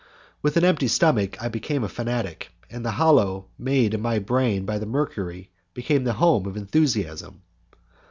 With an empty stomach, I became a fanatic; and the hollow made in my brain by the mercury became the home of enthusiasm.